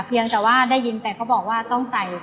เพียงแต่ว่าได้ยินแต่เขาบอกว่าต้องใส่